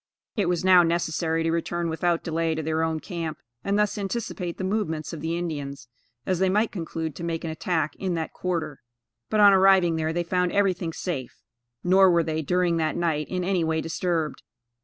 ] It was now necessary to return without delay to their own camp, and thus anticipate the movements of the Indians, as they might conclude to make an attack in that quarter; but, on arriving there, they found everything safe; nor were they, during that night, in any way disturbed.